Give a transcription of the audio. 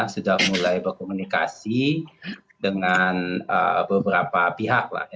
sudah mulai berkomunikasi dengan beberapa pihak